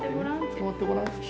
つかまってごらん。